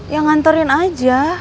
ya nganterin aja